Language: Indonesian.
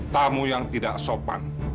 tamu yang tidak sopan